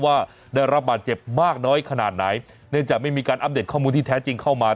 ว่าได้รับบาดเจ็บมากน้อยขนาดไหนเนื่องจากไม่มีการอัปเดตข้อมูลที่แท้จริงเข้ามา